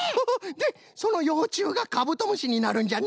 でそのようちゅうがカブトムシになるんじゃね？